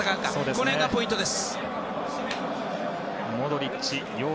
この辺がポイントです。